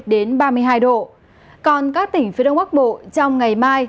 hai độ còn các tỉnh phía đông bắc bộ trong ngày mai